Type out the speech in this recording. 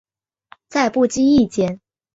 在不经意间